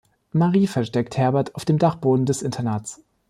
Marie versteckt Herbert auf dem Dachboden des Internats.